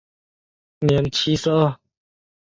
年七十二。